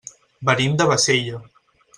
Venim de Bassella.